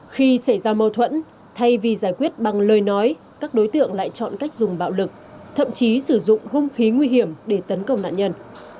khi xảy ra mâu thuẫn thay vì giải quyết bằng lời nói các đối tượng lại chọn cách dùng bạo lực thậm chí sử dụng hung khí nguy hiểm để tấn công nạn nhân